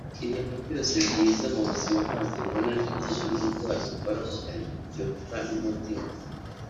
Ibintu byose byiza mu buzima ntabwo ubibona ndetse nta nubwo wabikoraho ariko byumvwa n’umutima